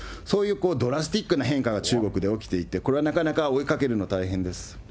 そういうドラスティックな変化が中国で起きていて、これはなかなか追いかけるの大変です。